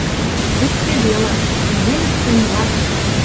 Пӹц кеделат. Кӹньӹльӹц тӹнь, лач